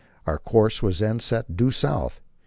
Our course was then set due south.